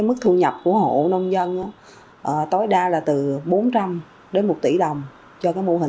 mức thu nhập của hộ nông dân tối đa là từ bốn trăm linh đến một tỷ đồng